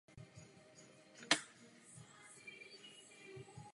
Každá iniciativa je pečlivě připravována podle zásad lepší právní úpravy.